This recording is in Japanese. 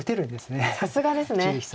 さすがですね。